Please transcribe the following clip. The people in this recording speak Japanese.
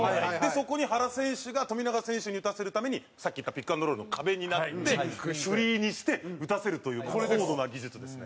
そこに、原選手が富永選手に打たせるためにさっき言ったピック＆ロールの壁になってフリーにして打たせるという高度な技術ですね。